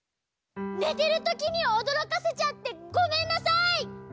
ねてるときにおどろかせちゃってごめんなさい！